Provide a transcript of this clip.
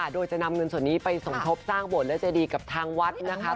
โดยจะนำเงินส่วนนี้ไปสมทบสร้างบทและเจดีกับทางวัดนะคะ